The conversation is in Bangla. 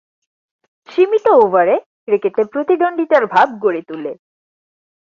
সীমিত ওভারে ক্রিকেটে প্রতিদ্বন্দ্বিতার ভাব গড়ে তুলে।